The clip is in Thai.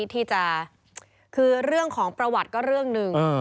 ที่จะคือเรื่องของประวัติก็เรื่องหนึ่ง